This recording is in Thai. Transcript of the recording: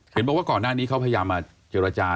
บอกว่าก่อนหน้านี้เขาพยายามมาเจรจา